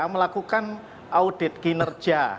melakukan audit kinerja